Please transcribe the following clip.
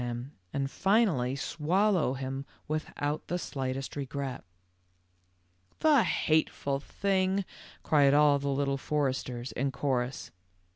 91 him, and finally swallow him without the slightest regret." "The hateful thing," cried all the Little Foresters in chorus.